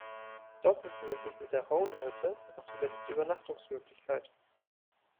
Dort befindet sich mit der Howden-Hütte auch die letzte Übernachtungsmöglichkeit.